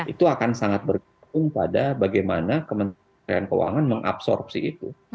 itu akan sangat bergantung pada bagaimana kementerian keuangan mengabsorpsi itu